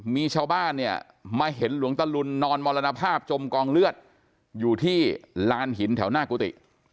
มีชาวบ้านเนี่ยมาเห็นหลวงตะลุนนอนมรณภาพจมกองเลือดอยู่ที่ลานหินแถวหน้ากุฏิ